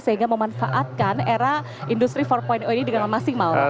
sehingga memanfaatkan era industri empat ini dengan maksimal